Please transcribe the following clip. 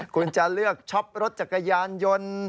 คุณจะเลือกช็อปรถจักรยานยนต์